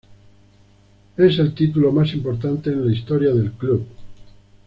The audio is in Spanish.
Es el título más importante en la historia del club.